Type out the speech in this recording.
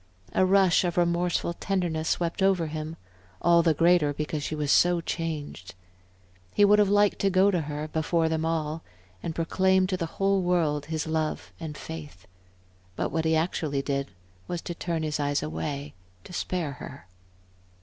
A rush of remorseful tenderness swept over him, all the greater because she was so changed. He would have liked to go to her before them all, and proclaim to the whole world his love and faith. But what he actually did was to turn his eyes away, to spare her.